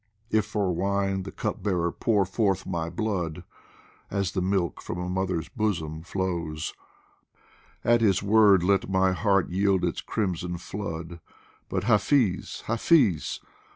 If for wine the Cup bearer pour forth my blood, As the milk from a mother's bosom flows, At his word let my heart yield its crimson flood. But, Hafiz, Hafiz !